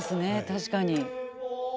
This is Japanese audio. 確かに。